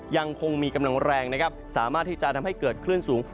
ยังคงมีกำลังแรงนะครับสามารถที่จะทำให้เกิดคลื่นสูง